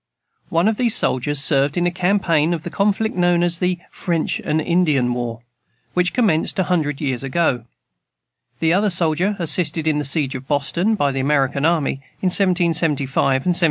One of these soldiers served in a campaign of the conflict known as the FRENCH AND INDIAN WAR, which commenced a hundred years ago; the other soldier assisted in the siege of Boston, by the American army, in 1775 and 1776.